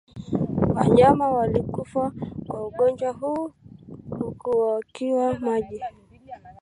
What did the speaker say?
Wanyama walikufa kwa ugonjwa huu hukaukiwa maji